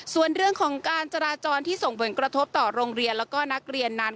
ส่วนเรื่องของการจราจรที่ส่งผลกระทบต่อโรงเรียนแล้วก็นักเรียนนั้น